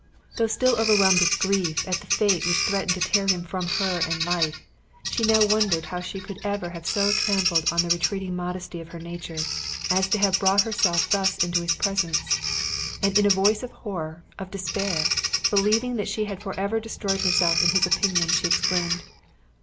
Though still overwhelmed with grief at the fate which threatened to tear him from her and life, she now wondered how she could ever have so trampled on the retreating modesty of her nature, as to have brought herself thus into his presence; and in a voice of horror, of despair, believing that she had forever destroyed herself in his opinion, she exclaimed: "O!